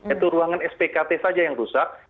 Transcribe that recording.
itu ruangan spkt saja yang rusak